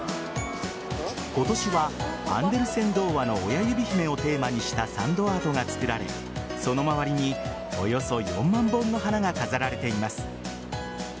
今年はアンデルセン童話の「おやゆび姫」をテーマにしたサンドアートが作られその周りにおよそ４万本の花が飾られています。